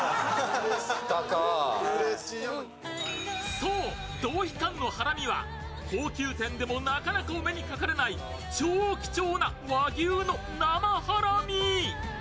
そう、道飛館のハラミは高級店でもなかなかお目にかかれない超貴重な和牛の生ハラミ。